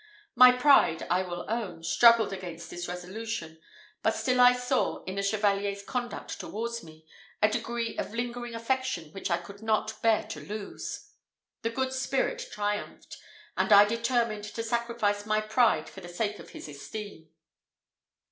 My pride, I will own, struggled against this resolution, but still I saw, in the Chevalier's conduct towards me, a degree of lingering affection, which I could not bear to lose. The good spirit triumphed; and I determined to sacrifice my pride for the sake of his esteem.